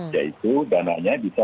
yaitu dananya bisa